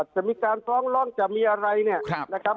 จะมีการฟ้องร้องจะมีอะไรเนี่ยนะครับ